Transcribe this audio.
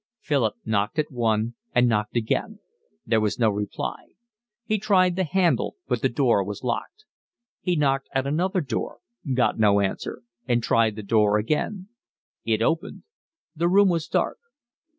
Philip knocked at one, and knocked again; there was no reply; he tried the handle, but the door was locked. He knocked at another door, got no answer, and tried the door again. It opened. The room was dark.